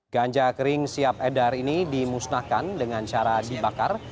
ganja kering siap edar ini dimusnahkan dengan cara dibakar